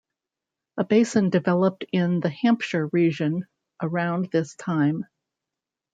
A basin developed in the Hampshire region around this time.